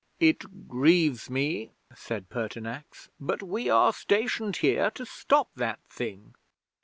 '"It grieves me," said Pertinax, "but we are stationed here to stop that thing."